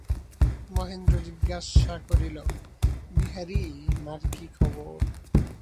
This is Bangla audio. মহেন্দ্র জিজ্ঞাসা করিল, বিহারী, মার কী খবর।